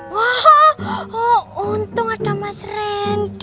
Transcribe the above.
wah untung ada mas randy